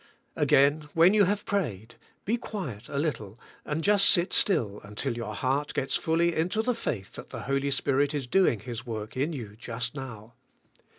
Again when you have prayed, be quiet a little and just sit still until your heart g etsfully into the faith that the Holy Spirit is doing* His work in you just now.